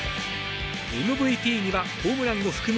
ＭＶＰにはホームランを含む